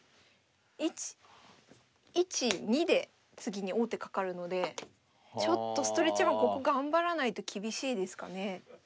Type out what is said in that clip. １２で次に王手かかるのでちょっとストレッチマンここ頑張らないと厳しいですかね。